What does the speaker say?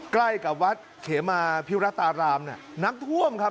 ใกล้กับวัดเขมาพิวรัตรารามเนี่ยน้ำท่วมครับ